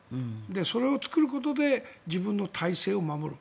それを作ることで自分の体制を守る。